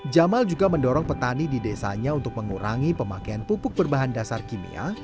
jamal juga mendorong petani di desanya untuk mengurangi pemakaian pupuk berbahan dasar kimia